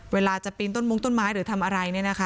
เวลาจะปีนต้นมุ้งต้นไม้หรือทำอะไร